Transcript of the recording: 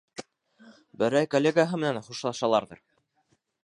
Берәй коллегаһы менән хушлашаларҙыр.